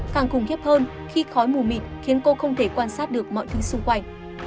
càng khủng khiếp hơn khi khói mù mịt khiến cô không thể quan sát được mọi thứ xung quanh